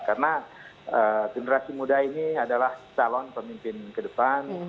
karena generasi muda ini adalah calon pemimpin ke depan